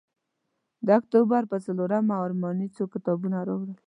د اکتوبر پر څلورمه ارماني څو کتابه راوړل.